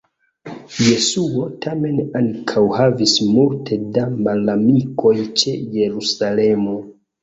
Jesuo tamen ankaŭ havis multe da malamikoj ĉe Jerusalemo.